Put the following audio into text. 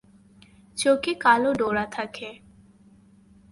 চোখে কালো ডোরা থাকে।